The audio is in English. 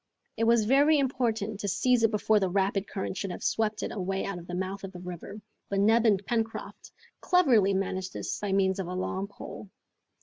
It was very important to seize it before the rapid current should have swept it away out of the mouth of the river, but Neb and Pencroft cleverly managed this by means of a long pole.